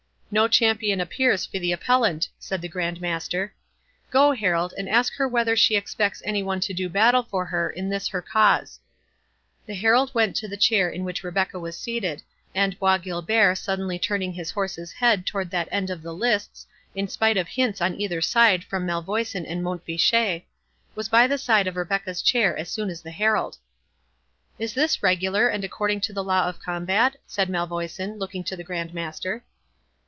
"No champion appears for the appellant," said the Grand Master. "Go, herald, and ask her whether she expects any one to do battle for her in this her cause." The herald went to the chair in which Rebecca was seated, and Bois Guilbert suddenly turning his horse's head toward that end of the lists, in spite of hints on either side from Malvoisin and Mont Fitchet, was by the side of Rebecca's chair as soon as the herald. "Is this regular, and according to the law of combat?" said Malvoisin, looking to the Grand Master.